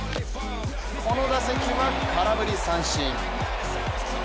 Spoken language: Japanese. この打席は空振り三振。